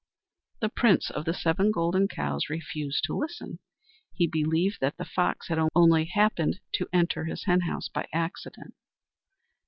The Prince of the Seven Golden Cows refused to listen. He believed that the fox had only happened to enter his henhouse by accident.